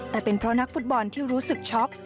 แต่เป็นเพราะนักฟุตบอลที่รู้สึกช็อก